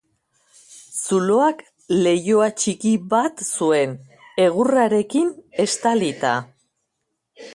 Zuloak leiho txiki bat zuen, egurrarekin estalita.